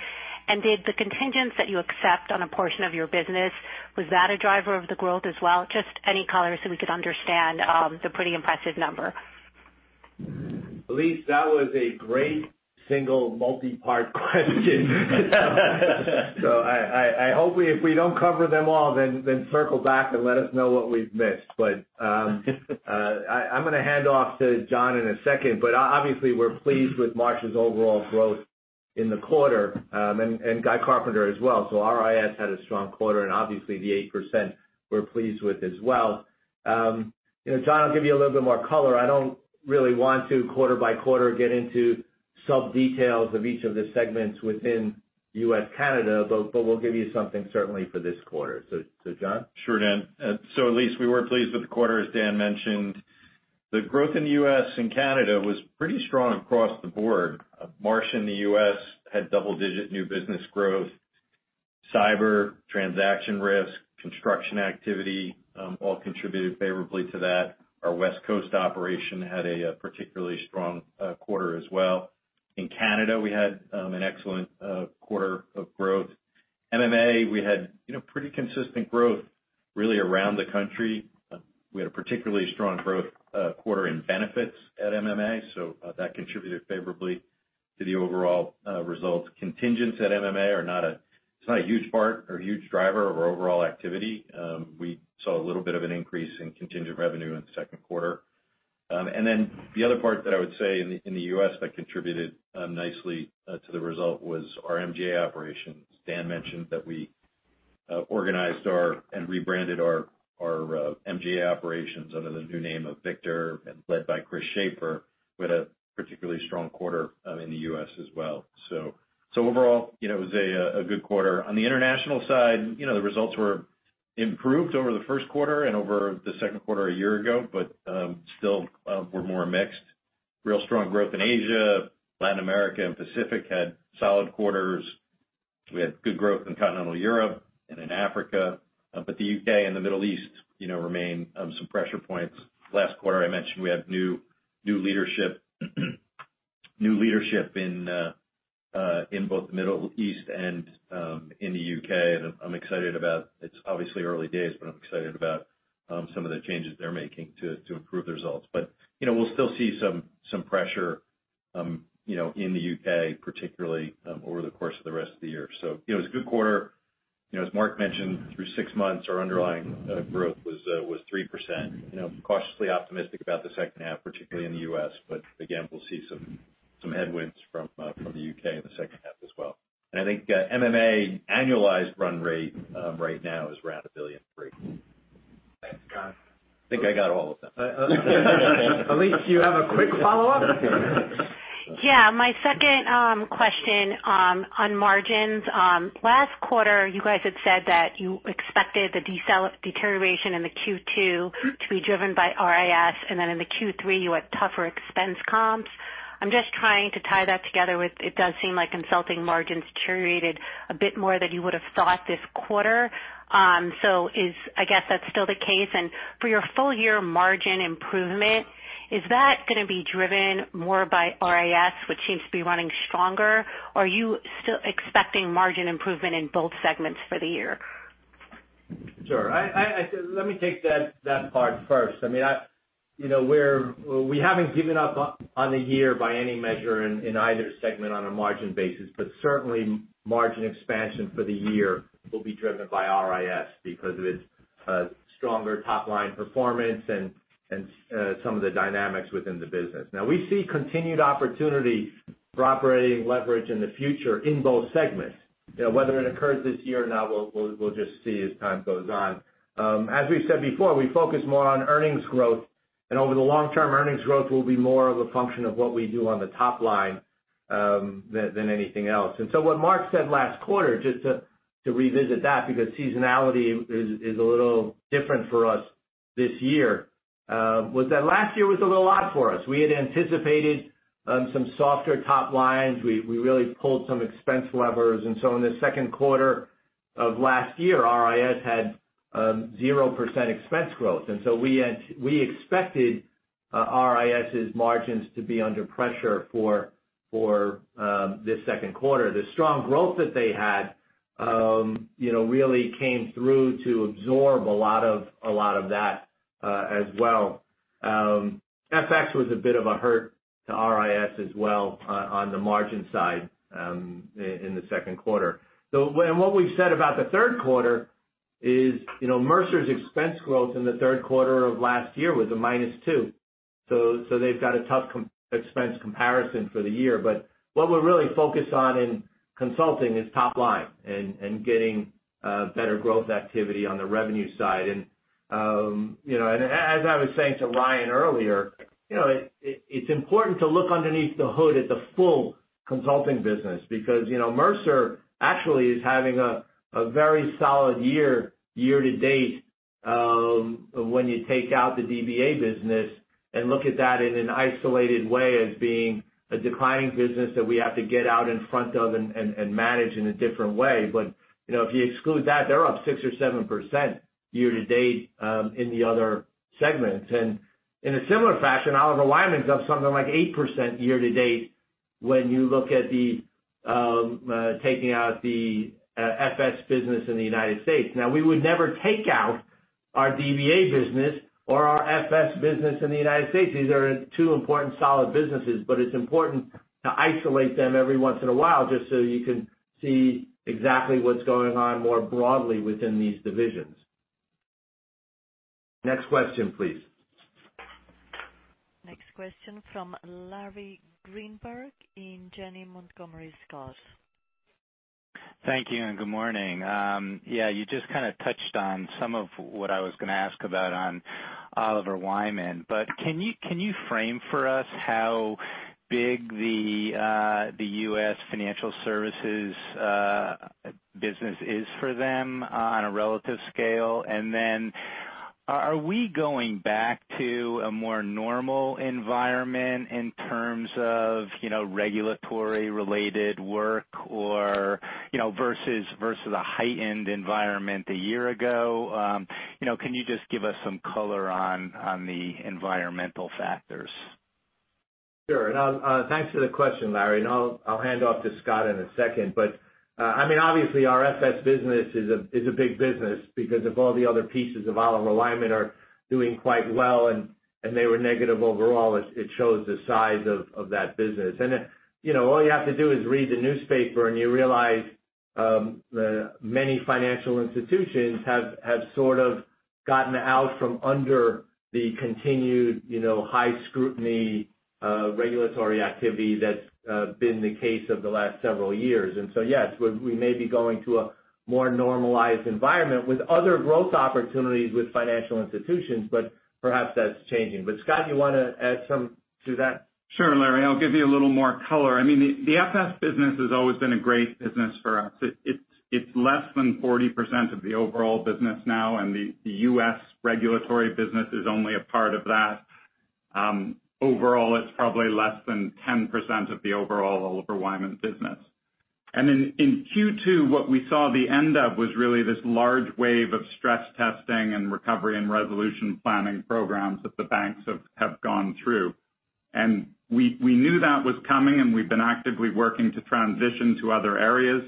and did the contingents that you accept on a portion of your business, was that a driver of the growth as well? Just any color so we could understand the pretty impressive number. Elyse, that was a great single multipart question. I hope if we don't cover them all, then circle back and let us know what we've missed. I'm going to hand off to John in a second, but obviously, we're pleased with Marsh's overall growth in the quarter, and Guy Carpenter as well. RIS had a strong quarter, and obviously, the 8% we're pleased with as well. John, I'll give you a little bit more color. I don't really want to quarter by quarter get into sub-details of each of the segments within U.S., Canada, but we'll give you something certainly for this quarter. John? Sure, Dan. Elyse, we were pleased with the quarter, as Dan mentioned. The growth in the U.S. and Canada was pretty strong across the board. Marsh in the U.S. had double-digit new business growth. Cyber, transaction risk, construction activity, all contributed favorably to that. Our West Coast operation had a particularly strong quarter as well. In Canada, we had an excellent quarter of growth. MMA, we had pretty consistent growth really around the country. We had a particularly strong growth quarter in benefits at MMA, so that contributed favorably to the overall results. Contingents at MMA it's not a huge part or a huge driver of our overall activity. We saw a little bit of an increase in contingent revenue in the second quarter. The other part that I would say in the U.S. that contributed nicely to the result was our MGA operations. Dan mentioned that we organized and rebranded our MGA operations under the new name of Victor and led by Chris Schaper. We had a particularly strong quarter in the U.S. as well. Overall, it was a good quarter. On the international side, the results were improved over the first quarter and over the second quarter a year ago, still were more mixed. Real strong growth in Asia, Latin America, and Pacific had solid quarters. We had good growth in continental Europe and in Africa. The U.K. and the Middle East remain some pressure points. Last quarter, I mentioned we have new leadership in both the Middle East and in the U.K., I'm excited about it's obviously early days, I'm excited about some of the changes they're making to improve the results. We'll still see some pressure in the U.K., particularly, over the course of the rest of the year. It was a good quarter. As Mark mentioned, through six months, our underlying growth was 3%. Cautiously optimistic about the second half, particularly in the U.S., again, we'll see some headwinds from the U.K. in the second half as well. I think MMA annualized run rate right now is around $1.3 billion. Thanks, John. I think I got all of them. Elyse, do you have a quick follow-up? Yeah. My second question on margins. Last quarter, you guys had said that you expected the deterioration in the Q2 to be driven by RIS, then in the Q3, you had tougher expense comps. I'm just trying to tie that together with, it does seem like consulting margins deteriorated a bit more than you would have thought this quarter. I guess that's still the case. For your full-year margin improvement, is that going to be driven more by RIS, which seems to be running stronger? Are you still expecting margin improvement in both segments for the year? Sure. Let me take that part first. We haven't given up on the year by any measure in either segment on a margin basis, but certainly margin expansion for the year will be driven by RIS because of its stronger top-line performance and some of the dynamics within the business. We see continued opportunity for operating leverage in the future in both segments. Whether it occurs this year or not, we'll just see as time goes on. As we've said before, we focus more on earnings growth, and over the long term, earnings growth will be more of a function of what we do on the top line than anything else. What Mark said last quarter, just to revisit that, because seasonality is a little different for us this year, was that last year was a little odd for us. We had anticipated some softer top lines. We really pulled some expense levers. In the second quarter of last year, RIS had 0% expense growth. We expected RIS' margins to be under pressure for this second quarter. The strong growth that they had really came through to absorb a lot of that as well. FX was a bit of a hurt to RIS as well on the margin side in the second quarter. What we've said about the third quarter is, Mercer's expense growth in the third quarter of last year was a -2%. They've got a tough expense comparison for the year, but what we're really focused on in consulting is top line and getting better growth activity on the revenue side. As I was saying to Ryan earlier, it's important to look underneath the hood at the full consulting business because, Mercer actually is having a very solid year to date, when you take out the DB business and look at that in an isolated way as being a declining business that we have to get out in front of and manage in a different way. If you exclude that, they're up 6% or 7% year to date, in the other segments. In a similar fashion, Oliver Wyman's up something like 8% year to date when you look at the taking out the FS business in the U.S. We would never take out our DB business or our FS business in the U.S. These are two important solid businesses, but it's important to isolate them every once in a while just so you can see exactly what's going on more broadly within these divisions. Next question, please. Next question from Larry Greenberg in Janney Montgomery Scott. Thank you and good morning. You just kind of touched on some of what I was going to ask about on Oliver Wyman, can you frame for us how big the U.S. financial services business is for them on a relative scale? Are we going back to a more normal environment in terms of regulatory related work or versus a heightened environment a year ago? Can you just give us some color on the environmental factors? Sure. Thanks for the question, Larry, I'll hand off to Scott in a second. Obviously our FS business is a big business because if all the other pieces of Oliver Wyman are doing quite well and they were negative overall, it shows the size of that business. All you have to do is read the newspaper and you realize, many financial institutions have sort of gotten out from under the continued high scrutiny regulatory activity that's been the case of the last several years. Yes, we may be going to a more normalized environment with other growth opportunities with financial institutions, perhaps that's changing. Scott, you want to add some to that? Sure. Larry, I'll give you a little more color. The FS business has always been a great business for us. It's less than 40% of the overall business now, and the U.S. regulatory business is only a part of that. Overall, it's probably less than 10% of the overall Oliver Wyman business. In Q2, what we saw the end of was really this large wave of stress testing and recovery and resolution planning programs that the banks have gone through. We knew that was coming, we've been actively working to transition to other areas.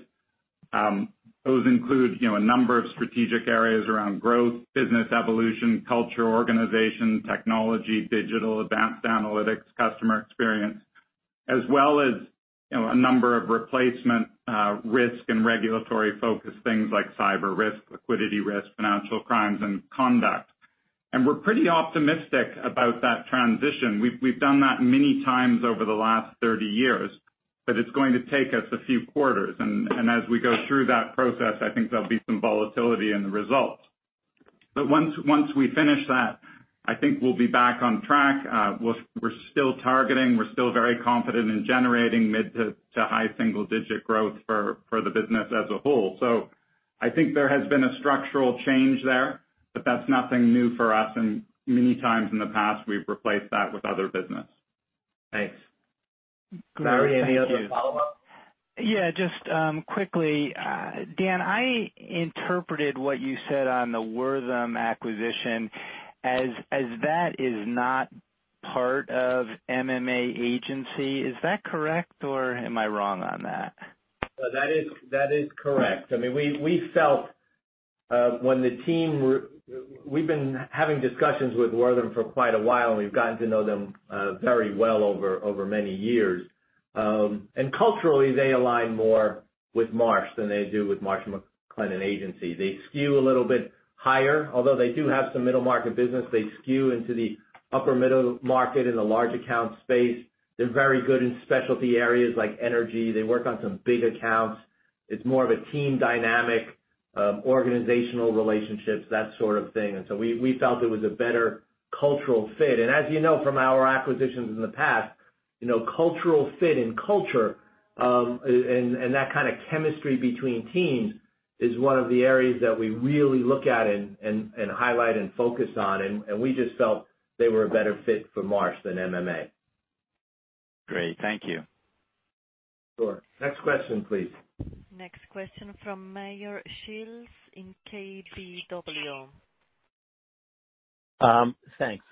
Those include a number of strategic areas around growth, business evolution, culture, organization, technology, digital, advanced analytics, customer experience, as well as a number of replacement risk and regulatory focused things like cyber risk, liquidity risk, financial crimes, and conduct. We're pretty optimistic about that transition. We've done that many times over the last 30 years, it's going to take us a few quarters. As we go through that process, I think there'll be some volatility in the results. Once we finish that, I think we'll be back on track. We're still targeting, we're still very confident in generating mid to high single digit growth for the business as a whole. I think there has been a structural change there, that's nothing new for us. Many times in the past, we've replaced that with other business. Thanks. Larry, any other follow-up? Yeah, just quickly. Dan, I interpreted what you said on the Wortham acquisition as that is not part of MMA Agency. Is that correct or am I wrong on that? That is correct. We've been having discussions with Wortham for quite a while, and we've gotten to know them very well over many years. Culturally, they align more with Marsh than they do with Marsh McLennan Agency. They skew a little bit higher. Although they do have some middle market business, they skew into the upper middle market in the large account space. They're very good in specialty areas like energy. They work on some big accounts. It's more of a team dynamic, organizational relationships, that sort of thing. We felt it was a better cultural fit. As you know from our acquisitions in the past, cultural fit and culture, and that kind of chemistry between teams is one of the areas that we really look at and highlight and focus on. We just felt they were a better fit for Marsh than MMA. Great. Thank you. Sure. Next question, please. Next question from Meyer Shields in KBW. Thanks.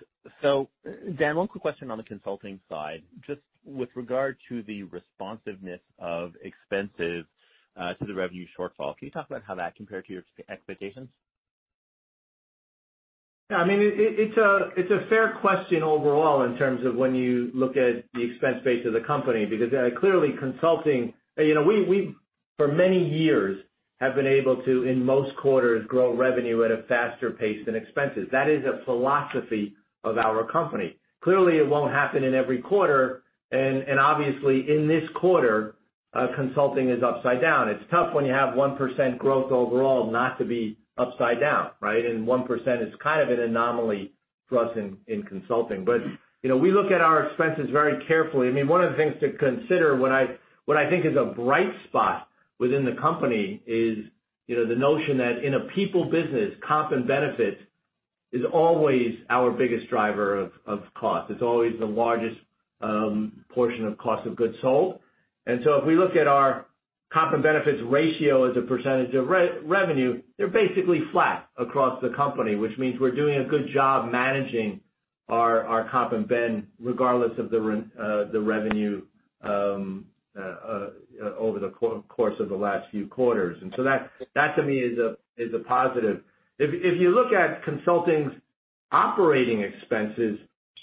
Dan, one quick question on the consulting side, just with regard to the responsiveness of expenses to the revenue shortfall. Can you talk about how that compared to your expectations? Yeah, it's a fair question overall in terms of when you look at the expense base of the company, because clearly consulting. We, for many years, have been able to, in most quarters, grow revenue at a faster pace than expenses. That is a philosophy of our company. Clearly it won't happen in every quarter, and obviously in this quarter, consulting is upside down. It's tough when you have 1% growth overall not to be upside down, right? 1% is kind of an anomaly for us in consulting. We look at our expenses very carefully. One of the things to consider, what I think is a bright spot within the company is the notion that in a people business, comp and benefits is always our biggest driver of cost. It's always the largest portion of cost of goods sold. If we look at our comp and benefits ratio as a percentage of revenue, they're basically flat across the company, which means we're doing a good job managing our comp and ben regardless of the revenue over the course of the last few quarters. That, to me, is a positive. If you look at consulting's operating expenses,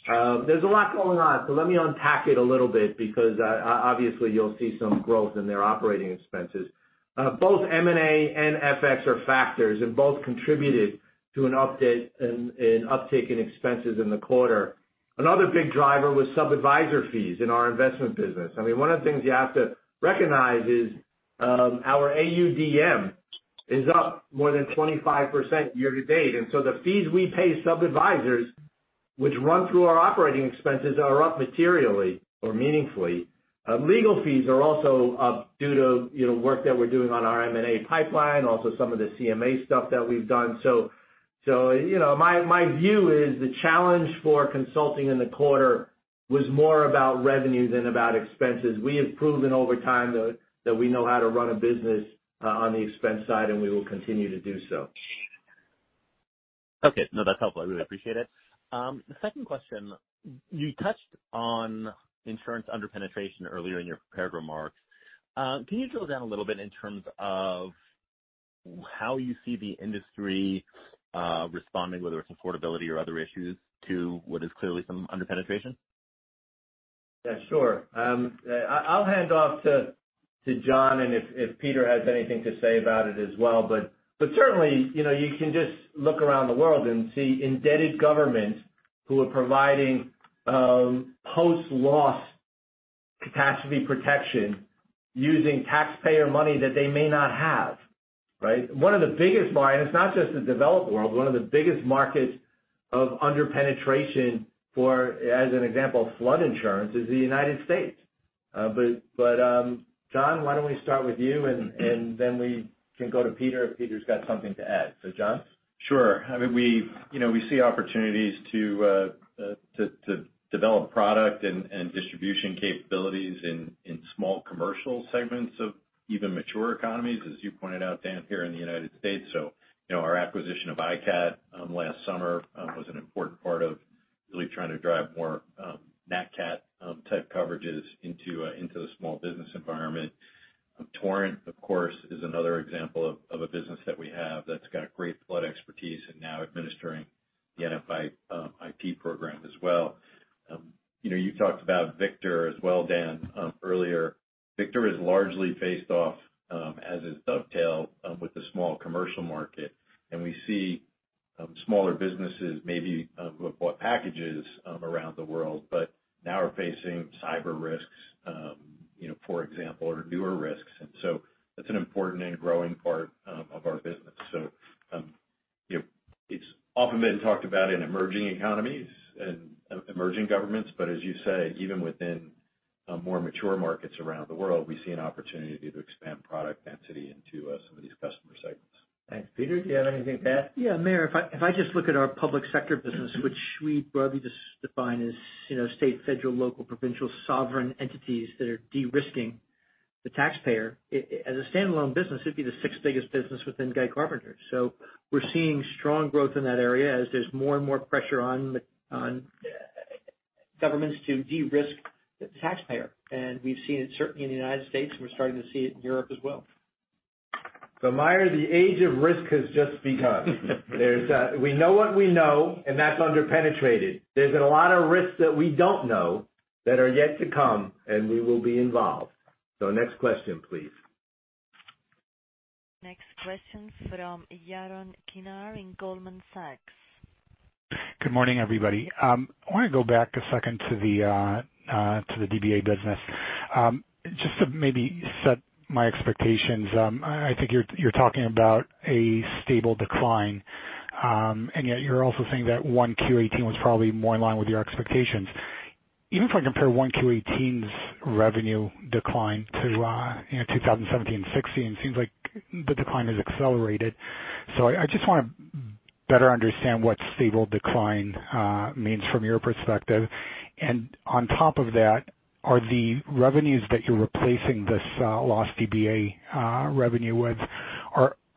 there's a lot going on. Let me unpack it a little bit because obviously you'll see some growth in their operating expenses. Both M&A and FX are factors, both contributed to an uptick in expenses in the quarter. Another big driver was sub-adviser fees in our investment business. One of the things you have to recognize is our AuDM is up more than 25% year to date. The fees we pay sub-advisers, which run through our operating expenses, are up materially or meaningfully. Legal fees are also up due to work that we're doing on our M&A pipeline, also some of the CMA stuff that we've done. My view is the challenge for consulting in the quarter was more about revenue than about expenses. We have proven over time that we know how to run a business on the expense side, and we will continue to do so. Okay. No, that's helpful. I really appreciate it. The second question, you touched on insurance under-penetration earlier in your prepared remarks. Can you drill down a little bit in terms of how you see the industry responding, whether it's affordability or other issues, to what is clearly some under-penetration? Yeah, sure. I'll hand off to John, and if Peter has anything to say about it as well. Certainly, you can just look around the world and see indebted governments who are providing post-loss catastrophe protection using taxpayer money that they may not have, right? One of the biggest markets, not just the developed world, one of the biggest markets of under-penetration for, as an example, flood insurance, is the United States. John, why don't we start with you, and then we can go to Peter if Peter's got something to add. John? Sure. We see opportunities to develop product and distribution capabilities in small commercial segments of even mature economies, as you pointed out, Dan, here in the United States. Our acquisition of ICAT last summer was an important part of really trying to drive more Nat cat type coverages into the small business environment. Torrent, of course, is another example of a business that we have that's got great flood expertise and now administering the NFIP program as well. You talked about Victor as well, Dan, earlier. Victor is largely faced off as a Dovetail with the small commercial market, and we see smaller businesses maybe who have bought packages around the world, but now are facing cyber risks, for example, or newer risks. That's an important and growing part of our business. It's often been talked about in emerging economies and emerging governments, as you say, even within more mature markets around the world, we see an opportunity to expand product density into some of these customer segments. Thanks. Peter, do you have anything to add? Yeah, Meyer, if I just look at our public sector business, which we broadly just define as state, federal, local, provincial, sovereign entities that are de-risking the taxpayer. As a standalone business, it'd be the sixth biggest business within Guy Carpenter. We're seeing strong growth in that area as there's more and more pressure on governments to de-risk the taxpayer. We've seen it certainly in the United States, and we're starting to see it in Europe as well. Meyer, the age of risk has just begun. We know what we know, and that's under-penetrated. There's been a lot of risks that we don't know that are yet to come, and we will be involved. Next question, please. Next question from Yaron Kinar in Goldman Sachs. Good morning, everybody. I want to go back a second to the DB business. Just to maybe set my expectations, I think you're talking about a stable decline, and yet you're also saying that 1Q 2018 was probably more in line with your expectations. Even if I compare 1Q 2018's revenue decline to 2017 fixed fee, it seems like the decline has accelerated. I just want to better understand what stable decline means from your perspective. On top of that, are the revenues that you're replacing this lost DB revenue with,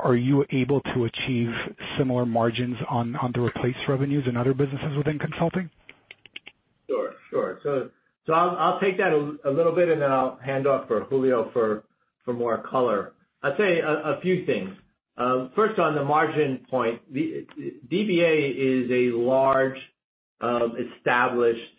are you able to achieve similar margins on the replaced revenues in other businesses within consulting? Sure. I'll take that a little bit, and then I'll hand off for Julio for more color. I'll tell you a few things. First, on the margin point, DB is a large, established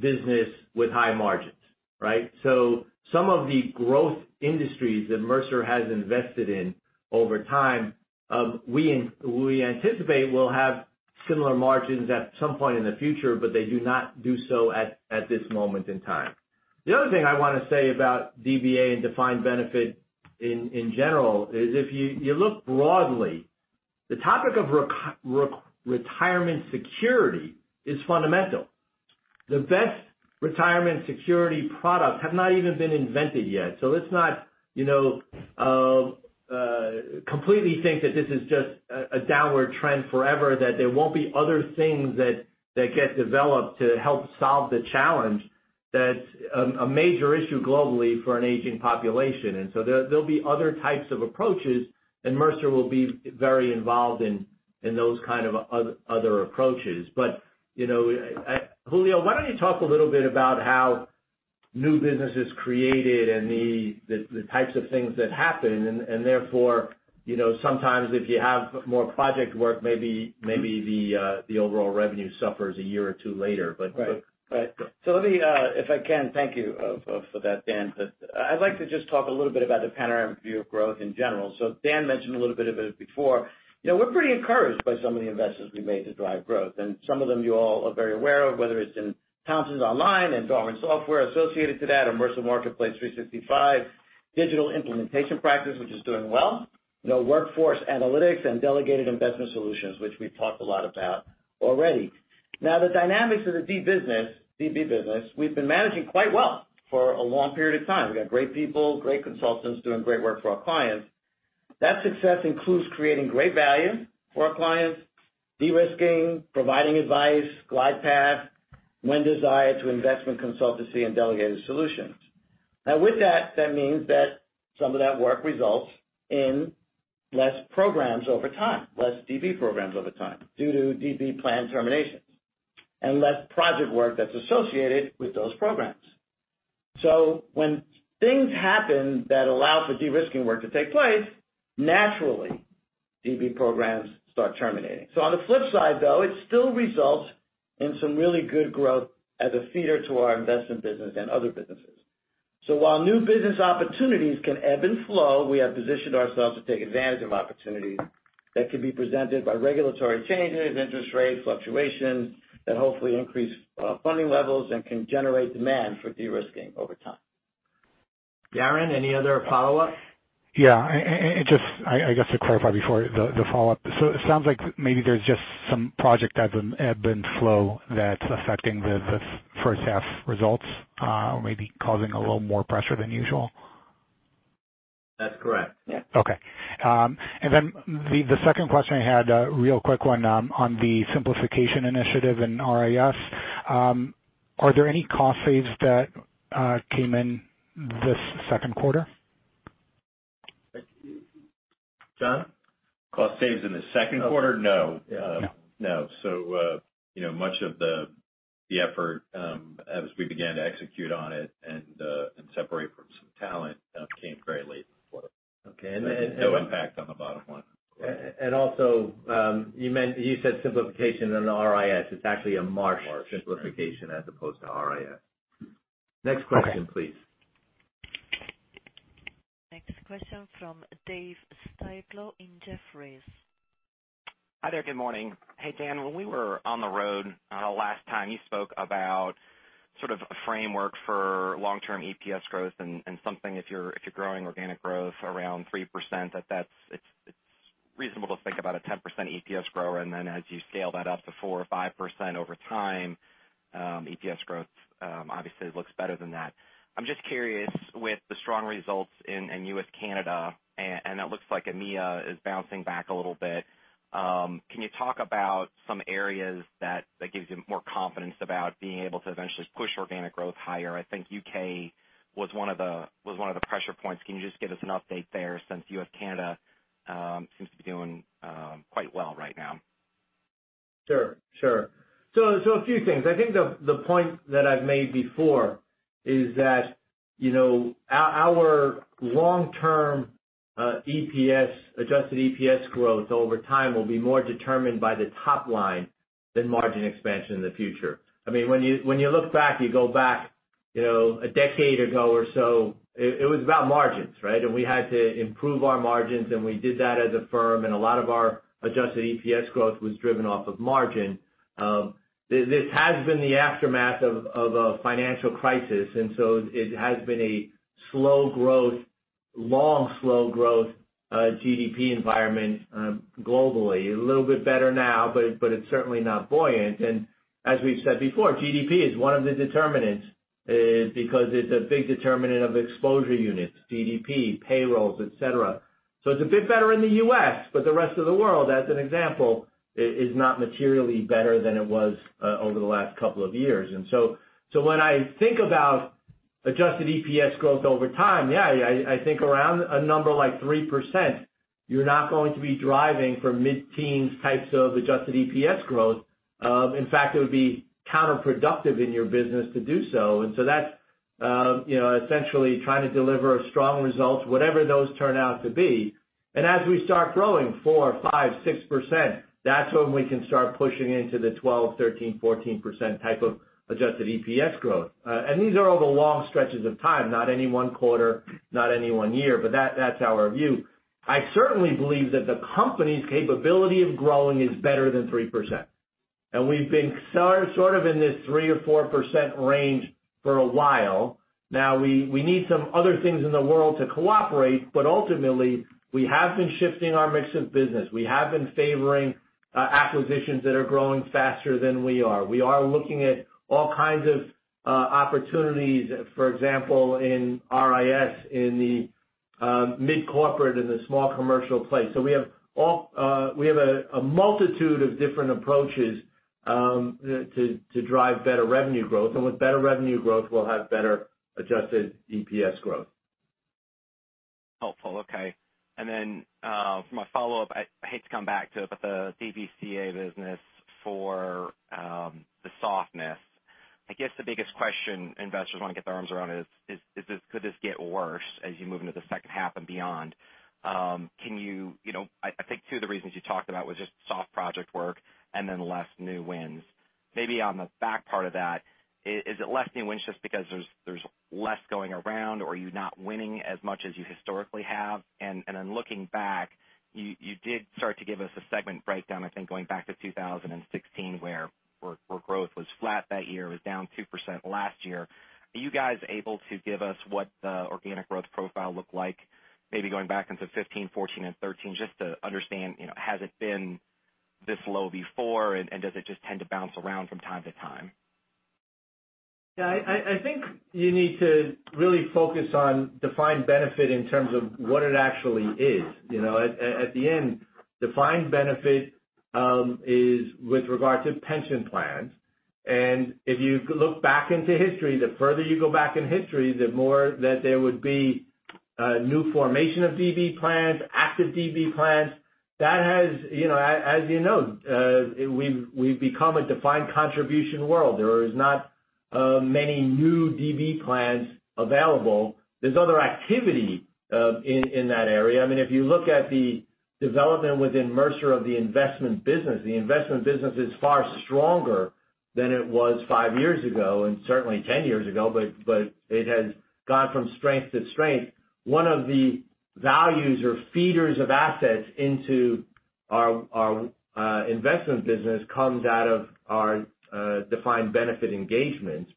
business with high margins, right? Some of the growth industries that Mercer has invested in over time, we anticipate will have similar margins at some point in the future, but they do not do so at this moment in time. The other thing I want to say about DB and defined benefit in general, is if you look broadly, the topic of retirement security is fundamental. The best retirement security product has not even been invented yet. Let's not completely think that this is just a downward trend forever, that there won't be other things that get developed to help solve the challenge that's a major issue globally for an aging population. There'll be other types of approaches, and Mercer will be very involved in those kind of other approaches. Julio, why don't you talk a little bit about how new business is created and the types of things that happen, and therefore, sometimes if you have more project work, maybe the overall revenue suffers a year or two later. Right. Let me, if I can, thank you for that, Dan. I'd like to just talk a little bit about the panoramic view of growth in general. Dan mentioned a little bit of it before. We're pretty encouraged by some of the investments we made to drive growth, and some of them you all are very aware of, whether it's in Townsend Online, endowment software associated to that, or Mercer Marketplace 365 digital implementation practice, which is doing well, workforce analytics and delegated investment solutions, which we've talked a lot about already. Now, the dynamics of the DB business, we've been managing quite well for a long period of time. We got great people, great consultants doing great work for our clients. That success includes creating great value for our clients, de-risking, providing advice, glide path, when desired, to investment consultancy and delegated solutions. Now with that means that some of that work results in less programs over time, less DB programs over time due to DB plan terminations, and less project work that's associated with those programs. When things happen that allow for de-risking work to take place, naturally, DB programs start terminating. On the flip side, though, it still results in some really good growth as a feeder to our investment business and other businesses. While new business opportunities can ebb and flow, we have positioned ourselves to take advantage of opportunities that could be presented by regulatory changes, interest rates, fluctuations that hopefully increase funding levels and can generate demand for de-risking over time. Yaron, any other follow-ups? Yeah. I guess to clarify before the follow-up. It sounds like maybe there's just some project ebb and flow that's affecting the first half results, or maybe causing a little more pressure than usual. That's correct. Yeah. Okay. The second question I had, a real quick one on the simplification initiative and RIS. Are there any cost saves that came in this second quarter? John? Cost saves in the second quarter? No. Yeah. No, much of the effort, as we began to execute on it and separate from some talent, came very late in the quarter. Okay. No impact on the bottom line. Also, you said simplification and RIS. It's actually a Marsh simplification as opposed to RIS. Next question, please. Next question from Dave Styblo in Jefferies. Hi there, good morning. Hey, Dan, when we were on the road the last time, you spoke about sort of a framework for long-term EPS growth and something if you're growing organic growth around 3%, that it's reasonable to think about a 10% EPS grower, and then as you scale that up to 4% or 5% over time, EPS growth obviously looks better than that. I'm just curious, with the strong results in U.S., Canada, and it looks like EMEA is bouncing back a little bit, can you talk about some areas that gives you more confidence about being able to eventually push organic growth higher? I think U.K. was one of the pressure points. Can you just give us an update there, since U.S., Canada seems to be doing quite well right now? Sure. A few things. I think the point that I've made before is that our long-term adjusted EPS growth over time will be more determined by the top line than margin expansion in the future. When you look back, you go back a decade ago or so, it was about margins, right? We had to improve our margins, and we did that as a firm, and a lot of our adjusted EPS growth was driven off of margin. This has been the aftermath of a financial crisis, and so it has been a long, slow growth, GDP environment globally. A little bit better now, but it's certainly not buoyant. As we've said before, GDP is one of the determinants, because it's a big determinant of exposure units, GDP, payrolls, et cetera. It's a bit better in the U.S., but the rest of the world, as an example, is not materially better than it was over the last couple of years. When I think about Adjusted EPS growth over time. Yeah, I think around a number like 3%, you're not going to be driving for mid-teens types of adjusted EPS growth. In fact, it would be counterproductive in your business to do so. That's essentially trying to deliver strong results, whatever those turn out to be. As we start growing 4%, 5%, 6%, that's when we can start pushing into the 12%, 13%, 14% type of adjusted EPS growth. These are over long stretches of time, not any one quarter, not any one year, but that's our view. I certainly believe that the company's capability of growing is better than 3%. We've been sort of in this 3% or 4% range for a while. We need some other things in the world to cooperate. We have been shifting our mix of business. We have been favoring acquisitions that are growing faster than we are. We are looking at all kinds of opportunities, for example, in RIS, in the mid-corporate, in the small commercial place. We have a multitude of different approaches to drive better revenue growth. With better revenue growth, we'll have better adjusted EPS growth. Helpful. Okay. For my follow-up, I hate to come back to it, but the DBCA business for the softness, I guess the biggest question investors want to get their arms around is, could this get worse as you move into the second half and beyond? I think two of the reasons you talked about was just soft project work and then less new wins. Maybe on the back part of that, is it less new wins just because there's less going around, or are you not winning as much as you historically have? Looking back, you did start to give us a segment breakdown, I think, going back to 2016, where growth was flat that year. It was down 2% last year. Are you guys able to give us what the organic growth profile looked like maybe going back into 2015, 2014, and 2013, just to understand, has it been this low before, and does it just tend to bounce around from time to time? I think you need to really focus on defined benefit in terms of what it actually is. At the end, defined benefit is with regard to pension plans. If you look back into history, the further you go back in history, the more that there would be new formation of DB plans, active DB plans. As you know, we've become a defined contribution world. There is not many new DB plans available. There's other activity in that area. If you look at the development within Mercer of the investment business, the investment business is far stronger than it was five years ago, and certainly 10 years ago, but it has gone from strength to strength. One of the values or feeders of assets into our investment business comes out of our defined benefit engagements.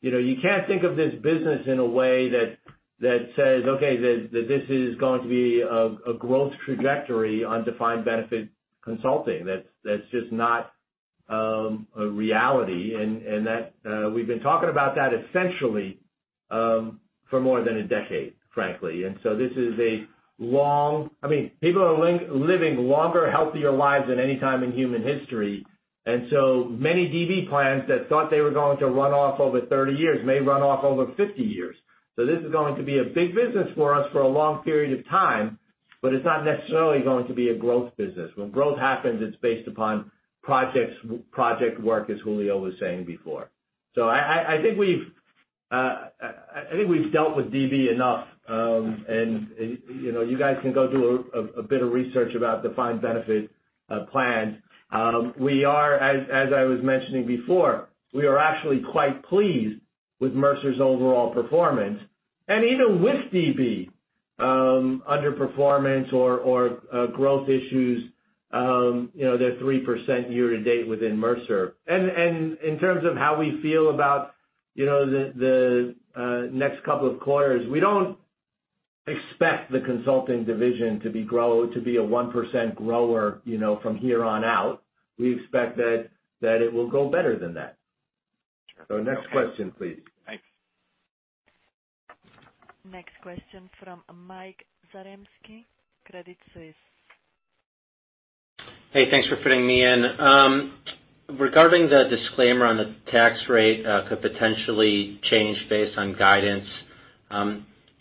You can't think of this business in a way that says, "Okay, this is going to be a growth trajectory on defined benefit consulting." That's just not a reality. We've been talking about that essentially for more than a decade, frankly. I mean, people are living longer, healthier lives than any time in human history. Many DB plans that thought they were going to run off over 30 years may run off over 50 years. This is going to be a big business for us for a long period of time, but it's not necessarily going to be a growth business. When growth happens, it's based upon project work, as Julio was saying before. I think we've dealt with DB enough. You guys can go do a bit of research about defined benefit plans. As I was mentioning before, we are actually quite pleased with Mercer's overall performance. Even with DB underperformance or growth issues, they're 3% year to date within Mercer. In terms of how we feel about the next couple of quarters, we don't expect the consulting division to be a 1% grower from here on out. We expect that it will go better than that. Sure. Okay. Next question, please. Thanks. Next question from Mike Zaremski, Credit Suisse. Hey, thanks for fitting me in. Regarding the disclaimer on the tax rate could potentially change based on guidance.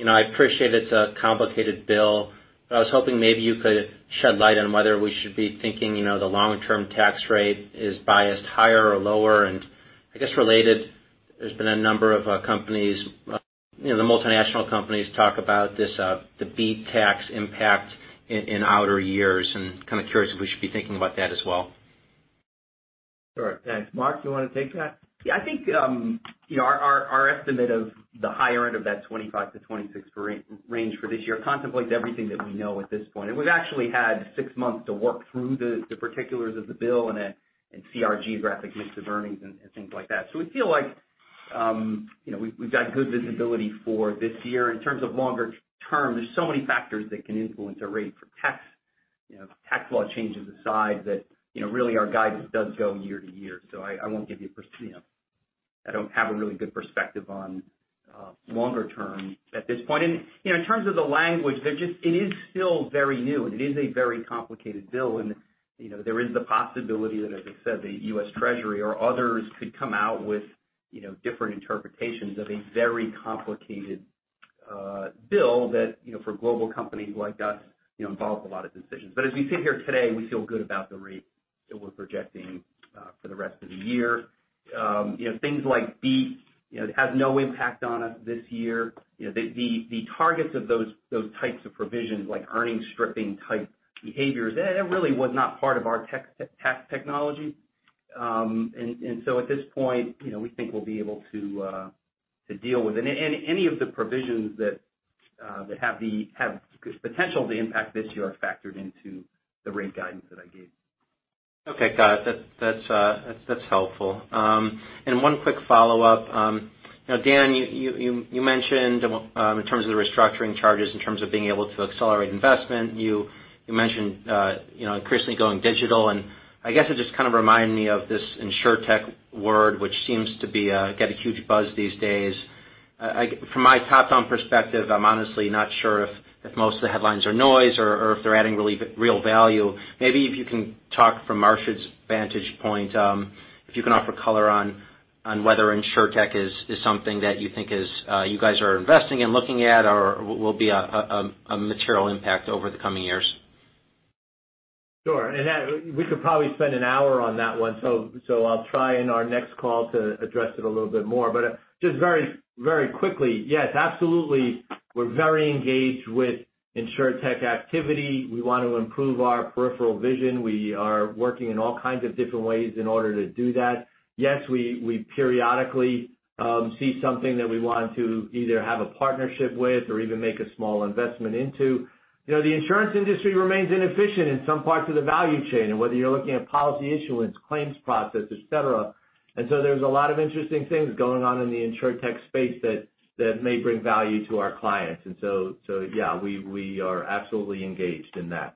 I appreciate it's a complicated bill. I was hoping maybe you could shed light on whether we should be thinking the long-term tax rate is biased higher or lower. I guess related, there's been a number of companies, the multinational companies talk about the BEAT tax impact in outer years, and kind of curious if we should be thinking about that as well. Sure. Thanks. Mark, do you want to take that? Yeah, I think our estimate of the higher end of that 25%-26% range for this year contemplates everything that we know at this point. We've actually had six months to work through the particulars of the bill and see our geographic mix of earnings and things like that. We feel like we've got good visibility for this year. In terms of longer term, there's so many factors that can influence our rate for tax. Tax law changes aside that really our guidance does go year to year. I won't give you. I don't have a really good perspective on longer term at this point. In terms of the language, it is still very new, and it is a very complicated bill. There is the possibility that, as I said, the U.S. Treasury or others could come out with different interpretations of a very complicated Bill that for global companies like us, involves a lot of decisions. As we sit here today, we feel good about the rate that we're projecting for the rest of the year. Things like BEAT, it has no impact on us this year. The targets of those types of provisions, like earnings stripping type behaviors, that really was not part of our tax technology. At this point, we think we'll be able to deal with it. Any of the provisions that have potential to impact this year are factored into the rate guidance that I gave. Okay, got it. That's helpful. One quick follow-up. Dan, you mentioned in terms of the restructuring charges, in terms of being able to accelerate investment, you mentioned increasingly going digital, and I guess it just kind of reminded me of this insurtech word, which seems to get a huge buzz these days. From my top-down perspective, I'm honestly not sure if most of the headlines are noise or if they're adding real value. Maybe if you can talk from Marsh's vantage point, if you can offer color on whether insurtech is something that you think you guys are investing in, looking at, or will be a material impact over the coming years. Sure. We could probably spend an hour on that one, so I'll try in our next call to address it a little bit more. Just very quickly, yes, absolutely, we're very engaged with insurtech activity. We want to improve our peripheral vision. We are working in all kinds of different ways in order to do that. Yes, we periodically see something that we want to either have a partnership with or even make a small investment into. The insurance industry remains inefficient in some parts of the value chain, and whether you're looking at policy issuance, claims process, et cetera. There's a lot of interesting things going on in the insurtech space that may bring value to our clients. Yeah, we are absolutely engaged in that.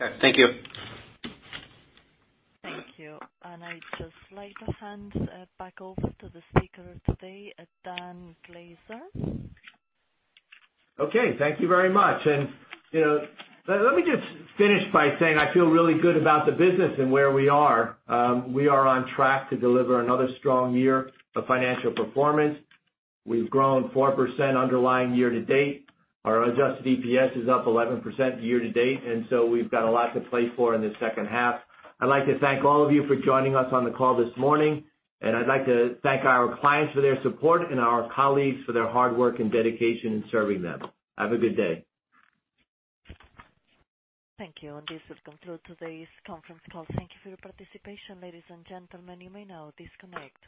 Okay. Thank you. Thank you. I'd just like to hand back over to the speaker today, Dan Glaser. Okay. Thank you very much. Let me just finish by saying I feel really good about the business and where we are. We are on track to deliver another strong year of financial performance. We've grown 4% underlying year-to-date. Our adjusted EPS is up 11% year-to-date. So we've got a lot to play for in the second half. I'd like to thank all of you for joining us on the call this morning. I'd like to thank our clients for their support and our colleagues for their hard work and dedication in serving them. Have a good day. Thank you. This will conclude today's conference call. Thank you for your participation, ladies and gentlemen. You may now disconnect.